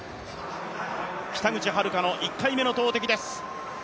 北口榛花の１回目の投てきです。